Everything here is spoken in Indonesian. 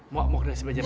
mau mok nasi pelajaran